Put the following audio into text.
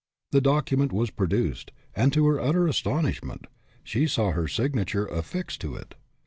The document was produced, and, to her utter astonishment, she saw her signature affixed to it.